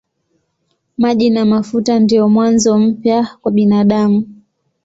Maji na mafuta ndiyo mwanzo mpya kwa binadamu.